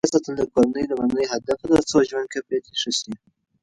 روغتیا ساتل د کورنۍ لومړنی هدف دی ترڅو ژوند کیفیت ښه شي.